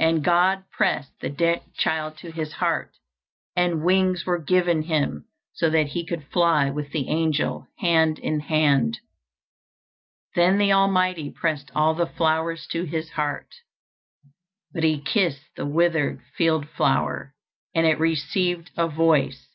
And God pressed the dead child to His heart, and wings were given him so that he could fly with the angel, hand in hand. Then the Almighty pressed all the flowers to His heart; but He kissed the withered field flower, and it received a voice.